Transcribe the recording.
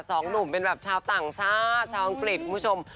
สองหนุ่มเป็นแบบชาวต่างชาติชาวอังกฤษคุณผู้ชม